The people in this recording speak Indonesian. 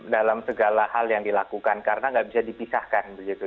dan itu adalah hal yang dilakukan karena nggak bisa dipisahkan begitu